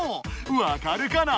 わかるかな？